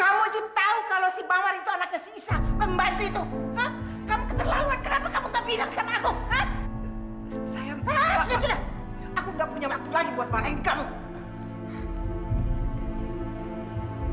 ibu ibu ibu kemana